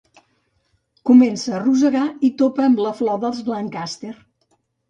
Comença a rosegar i topa amb la flor dels Lancaster.